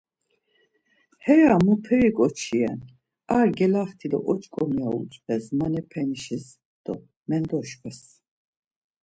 Heya muperi ǩoçi ren, ar gelaxti do oç̌ǩomi ya utzves manebe nişis do mendoşkves.